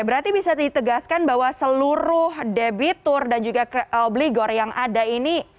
berarti bisa ditegaskan bahwa seluruh debitur dan juga obligor yang ada ini